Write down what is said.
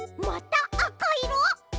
またあかいろ？